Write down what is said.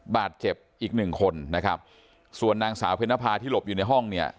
บาดเจ็บอีกหนึ่งคนนะครับส่วนนางสาวเพนภาที่หลบอยู่ในห้องเนี่ย